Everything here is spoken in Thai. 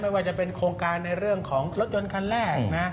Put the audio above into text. ว่าจะเป็นโครงการในเรื่องของรถยนต์คันแรกนะ